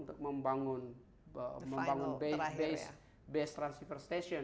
untuk membangun base base transceiver station